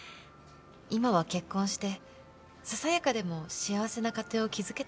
今は結婚してささやかでも幸せな家庭を築けたらって。